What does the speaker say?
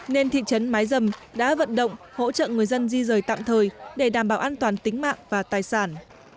nên thị trấn mái dầm đã vận động hỗ trợ người dân di rời tạm thời để đảm bảo an toàn tính mạng và tài sản